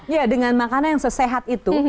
ya dengan makanan yang sesehat itu